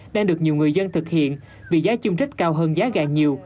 đang được nhiều người dân thực hiện vì giá chim trích cao hơn giá gà nhiều